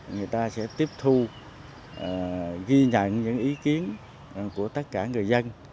người ta sẽ tiếp thu ghi nhận những ý kiến của tất cả người dân